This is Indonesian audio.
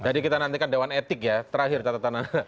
jadi kita nantikan dawan etik ya terakhir catatan anda